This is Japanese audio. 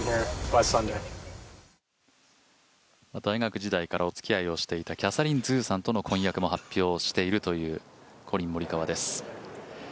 大学時代からおつきあいをしていたキャサリン・スーさんとの婚約を発表しているというコリン・モリカワです。